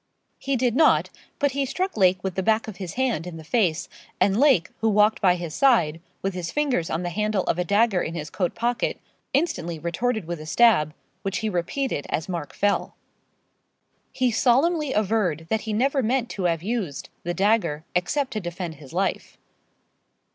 He did not, but he struck Lake with the back of his hand in the face, and Lake, who walked by his side, with his fingers on the handle of a dagger in his coat pocket, instantly retorted with a stab, which he repeated as Mark fell. He solemnly averred that he never meant to have used the dagger, except to defend his life.